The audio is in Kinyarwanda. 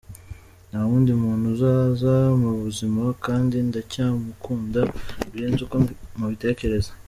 Nta wundi muntu uzaza mu buzima kandi ndacyamukunda birenze uko mubitekereza.